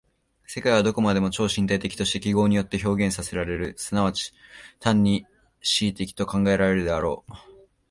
世界はどこまでも超身体的として記号によって表現せられる、即ち単に思惟的と考えられるであろう。